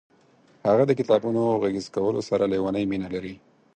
هغه د کتابونو غږیز کولو سره لیونۍ مینه لري.